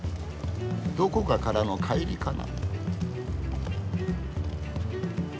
どこかからの帰りかな。